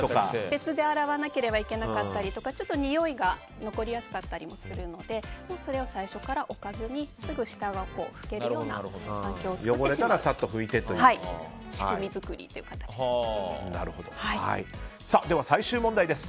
別で洗わなきゃいけなかったりとかちょっとにおいが残りやすかったりするのでそれを最初から置かずにすぐ下が拭けるような環境を作るというでは最終問題です。